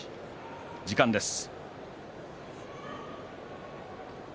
時間です。